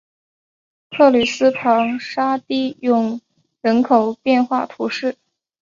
克吕斯旁沙提永人口变化图示